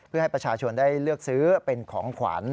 เพื่อให้ประชาชนได้เลือกซื้อเป็นของขวัญ